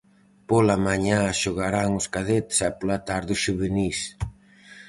Pola mañá xogarán os cadetes e pola tarde os xuvenís.